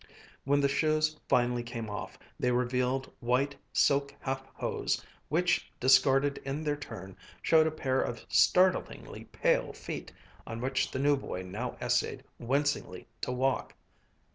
When the shoes finally came off, they revealed white silk half hose, which, discarded in their turn, showed a pair of startlingly pale feet, on which the new boy now essayed wincingly to walk.